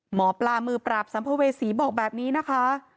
หมอปลามือปราบสัมภเวษีบอกแบบนี้นะคะ